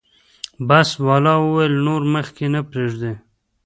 بس والا وویل نور مخکې نه پرېږدي.